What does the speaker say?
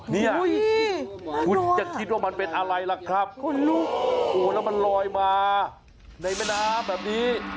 เนี่ยคุณจะคิดว่ามันเป็นอะไรล่ะครับโอ้โหแล้วมันลอยมาในแม่น้ำแบบนี้